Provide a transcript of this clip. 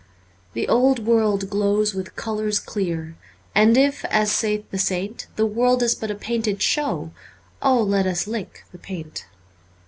The old world glows with colours clear, And if, as saith the saint. The world is but a painted show, O let us lick the paint